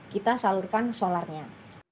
kita salurkan solarnya